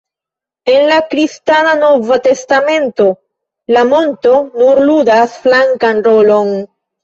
En la kristana Nova Testamento la monto nur ludas flankan rolon.